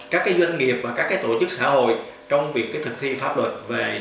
các doanh nghiệp và các tổ chức xã hội trong việc thực thi pháp luật